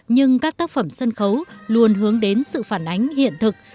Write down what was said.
nhưng các tác phẩm sân khấu luôn hướng đến sự phản ánh hiện thực